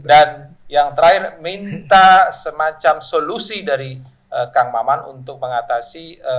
dan yang terakhir minta semacam solusi dari kang maman untuk mengatasi